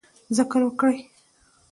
ذکر وکړئ